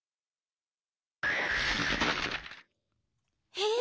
えっ！？